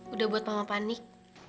udah buat mama panik